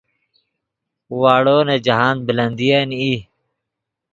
واڑو نے جاہند بلندین ای